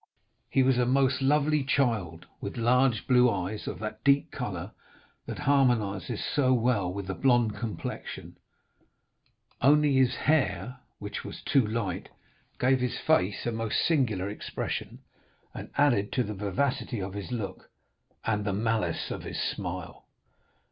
He was a most lovely child, with large blue eyes, of that deep color that harmonizes so well with the blond complexion; only his hair, which was too light, gave his face a most singular expression, and added to the vivacity of his look, and the malice of his smile.